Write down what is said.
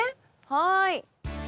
はい。